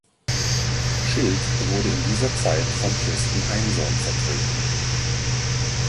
Schildt wurde in dieser Zeit von Kirsten Heinsohn vertreten.